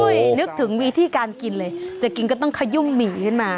นึกถึงวิธีการกินเลยจะกินก็ต้องขยุ่มหมี่ขึ้นมา